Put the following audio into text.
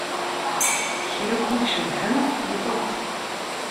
Kra n win i cebḥen tifeḍ-t.